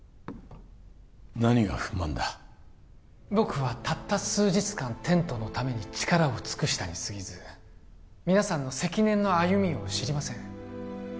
何が不満だ僕はたった数日間テントのために力を尽くしたにすぎず皆さんの積年の歩みを知りません